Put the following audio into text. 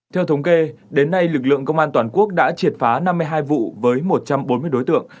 theo thống kê đến nay lực lượng công an toàn quốc đã triệt phá năm mươi hai vụ với một trăm bốn mươi đối tượng